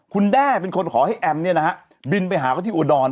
คุณแด้เป็นคนขอให้แอมบินไปหาเขาที่อุดร